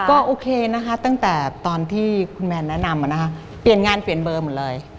ก็โอเคนะคะตั้งแต่ตอนที่คุณแมนแนะนำเปลี่ยนงานเปลี่ยนเบอร์หมดเลย